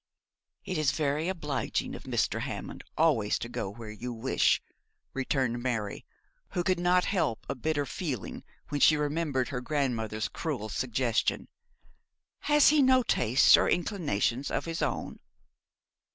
'It is very obliging of Mr. Hammond always to go where you wish,' returned Mary, who could not help a bitter feeling when she remembered her grandmother's cruel suggestion. 'Has he no tastes or inclinations of his own?'